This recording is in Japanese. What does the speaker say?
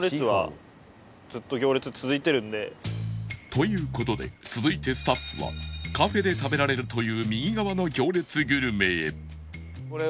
という事で続いてスタッフはカフェで食べられるという右側の行列グルメへ